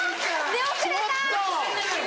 出遅れた！